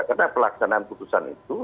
karena pelaksanaan putusan itu